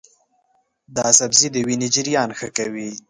دا سبزی د وینې جریان ښه کوي.